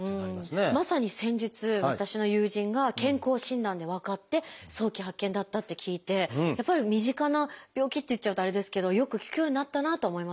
まさに先日私の友人が健康診断で分かって早期発見だったって聞いてやっぱり身近な病気って言っちゃうとあれですけどよく聞くようになったなとは思いますね。